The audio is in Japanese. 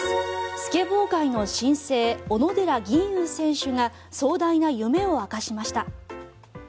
スケボー界の新星小野寺吟雲選手が壮大な夢を明かしました。